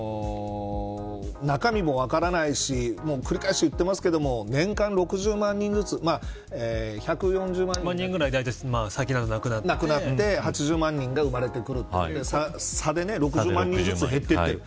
ですから、中身も分からないし繰り返し言ってますけれども年間６０万人ずつ１４０万人ぐらい最近では亡くなって８０万人が生まれてくるという差で６０万人ずつ減っていっている。